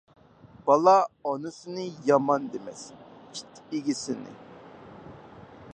بالا ئانىسىنى يامان دېمەس، ئىت ئىگىسىنى.